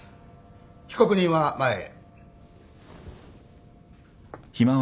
被告人は前へ。